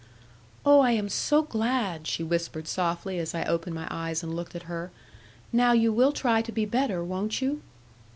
'Oh, I am so glad,' she whispered softly, as I opened my eyes and looked at her; 'now you will try to be better, won't you?'